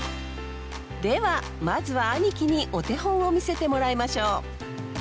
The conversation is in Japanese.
ではまずは兄貴にお手本を見せてもらいましょう！